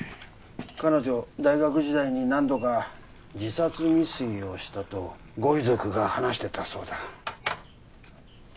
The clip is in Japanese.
彼女大学時代に何度か自殺未遂をしたとご遺族が話してたそうだ